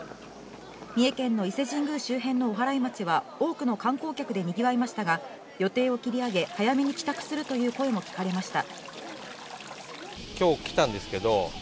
三重県の伊勢神宮周辺のおはらい町は、多くの観光客でにぎわいましたが、予定を切り上げ、早めに帰宅するという声も聞かれました。